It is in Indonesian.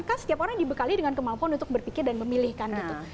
kan setiap orang dibekali dengan kemampuan untuk berpikir dan memilih kan gitu